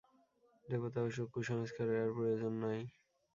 দেবতা ও কুসংস্কারের আর প্রয়োজন নাই।